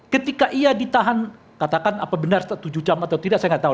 ketika ia ditahan katakan apa benar tujuh jam atau tidak saya nggak tahu